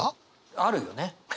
あるよね。